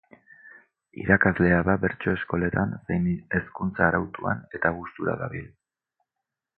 Irakaslea da bertso eskoletan zein hezkuntza arautuan eta gustura dabil.